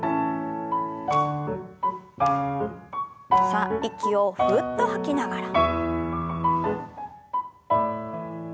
さあ息をふうっと吐きながら。